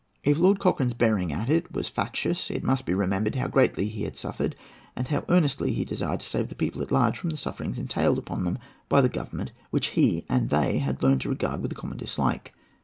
If Lord Cochrane's bearing at it was factious, it must be remembered how greatly he had suffered and how earnestly he desired to save the people at large from the sufferings entailed upon them by the Government which he and they had learnt to regard with a common dislike.